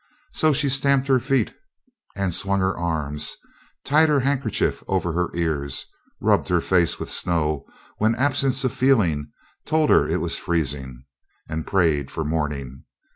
So she stamped her feet and swung her arms, tied her handkerchief over her ears, rubbed her face with snow when absence of feeling told her it was freezing, and prayed for morning.